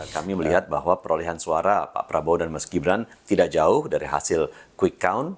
kami melihat bahwa perolehan suara pak prabowo dan mas gibran tidak jauh dari hasil quick count